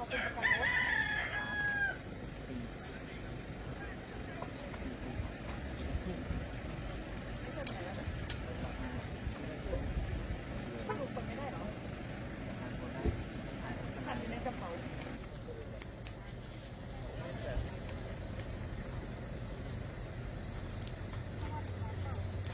มัวนินดาวเลยนะ